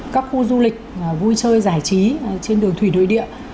các khu du lịch vui chơi giải trí trên đường thủy nội địa